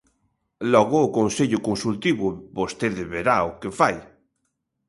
Logo o Consello Consultivo vostede verá o que fai.